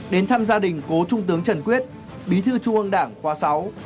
đến thăm gia đình cố trung tướng trần quyết bí thư trung ương đảng khoa sáu